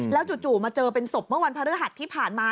จู่มาเจอเป็นศพเมื่อวันพระฤหัสที่ผ่านมา